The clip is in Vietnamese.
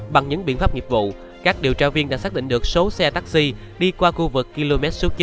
bằng những biện pháp nghiệp vụ các điều tra viên đã xác định được số xe taxi đi qua khu vực km số chín